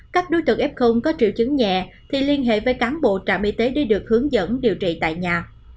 các đối tượng f có triệu chứng nhẹ thì liên hệ với cán bộ trạm y tế để được hướng dẫn điều trị tại nhà